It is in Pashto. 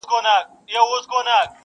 زما خواږه خواږه عطرونه ولي نه حسوې جانه؟-